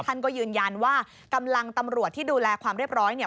ท่านก็ยืนยันว่ากำลังตำรวจที่ดูแลความเรียบร้อยเนี่ย